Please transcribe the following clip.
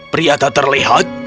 pria tak terlihat